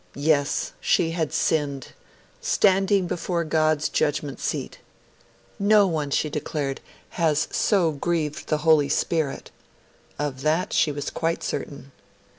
Yes, she had sinned 'standing before God's judgment seat'. 'No one,' she declared, 'has so grieved the Holy Spirit'; of that she was quite certain.